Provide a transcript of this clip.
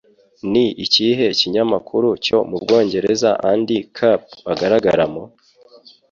Ni ikihe kinyamakuru cyo mu Bwongereza Andy Capp agaragaramo?